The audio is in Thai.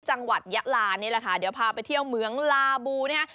จังหวัดยะลานี่แหละค่ะเดี๋ยวพาไปเที่ยวเหมืองลาบูนะคะ